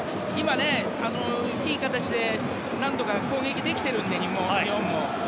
いい形で何度か攻撃できてるので日本も。